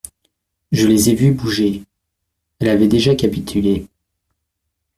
Je les ai vu bouger. Elle avait déjà capitulé.